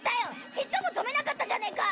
ちっとも止めなかったじゃねえか！